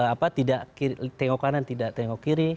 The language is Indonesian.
apa tidak tengok kanan tidak tengok kiri